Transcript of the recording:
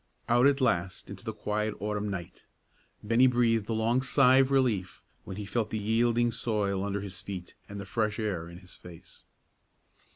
Out at last into the quiet autumn night! Bennie breathed a long sigh of relief when he felt the yielding soil under his feet and the fresh air in his face.